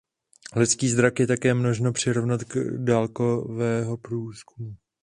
Lidský zrak je také možno přirovnat k dálkového průzkumu.